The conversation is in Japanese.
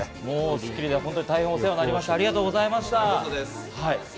『スッキリ』では大変お世話になりました、ありがとうございました。